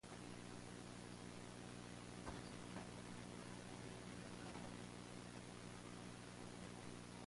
More recently, Gary Graffman has commissioned a number of left-hand concertos.